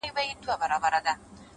والله ه چي په تا پسي مي سترگي وځي!